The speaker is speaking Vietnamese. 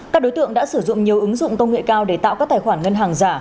các đối tượng đã sử dụng nhiều ứng dụng công nghệ cao để tạo các tài khoản ngân hàng giả